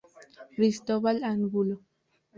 Cristóbal Angulo.